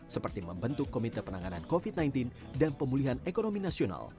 seperti membentuk komite penanganan covid sembilan belas dan pemulihan ekonomi nasional